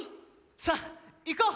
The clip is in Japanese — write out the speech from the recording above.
さあ行こう！